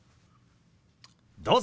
どうぞ。